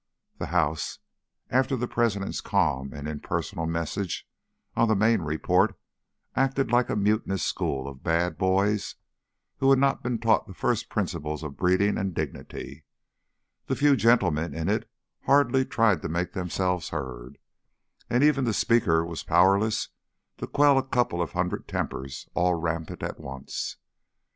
The House, after the President's calm and impersonal message on the Maine report, acted like a mutinous school of bad boys who had not been taught the first principles of breeding and dignity; the few gentlemen in it hardly tried to make themselves heard, and even the Speaker was powerless to quell a couple of hundred tempers all rampant at once.